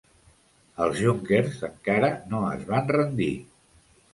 Els Junkers encara no es van rendir.